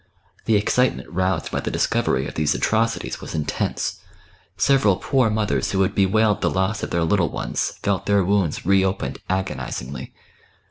The excitement roused by the discovery of these atrocities was intense; several poor mothers who had bewailed the loss of their little ones, felt their wounds reopened agonisingly.